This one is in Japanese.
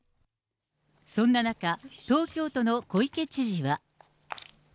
そんな中、東京都の小池知事は。